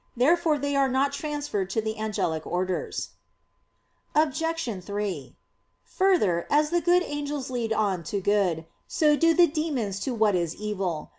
Therefore they are not transferred to the angelic orders. Obj. 3: Further, as the good angels lead on to good, so do the demons to what is evil.